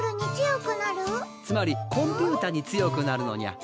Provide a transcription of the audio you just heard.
つまりコンピューターに強くなるのにゃ。